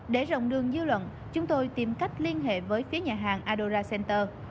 để rộng đường dư luận chúng tôi tìm cách liên hệ với phía nhà hàng adora center